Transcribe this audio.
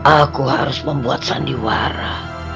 aku harus membuat sandiwara